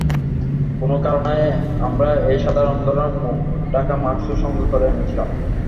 কোন কারণে, আমরা এই সাধারণ ধরণের মুখ ঢাকা মাস্কও, সঙ্গে করে এনেছিলাম।